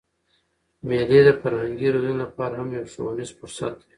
مېلې د فرهنګي روزني له پاره هم یو ښوونیز فرصت دئ.